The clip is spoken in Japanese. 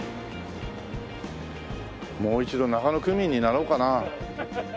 もう一度中野区民になろうかな。